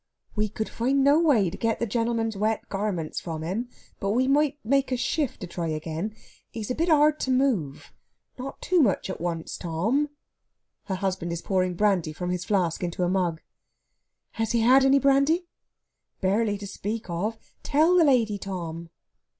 "We could find no way to get the gentleman's wet garments from him, but we might make a shift to try again. He's a bit hard to move. Not too much at once, Tom." Her husband is pouring brandy from his flask into a mug. "Has he had any brandy?" "Barely to speak of. Tell the lady, Tom!"